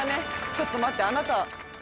ちょっと待ってあなた。